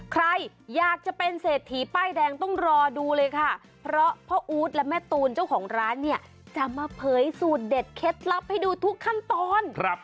ใครอยากจะเป็นเศรษฐีป้ายแดงต้องรอดูเลยค่ะเพราะพ่ออู๊ดและแม่ตูนเจ้าของร้านเนี่ยจะมาเผยสูตรเด็ดเคล็ดลับให้ดูทุกขั้นตอน